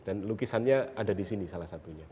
dan lukisannya ada disini salah satunya